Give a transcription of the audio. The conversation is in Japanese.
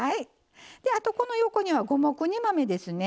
あとこの横には五目煮豆ですね。